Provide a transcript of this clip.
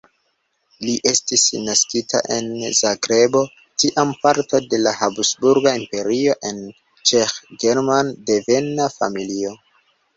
Li estis naskita en Zagrebo, tiam parto de la Habsburga Imperio, en Ĉeĥ-German-devena familio.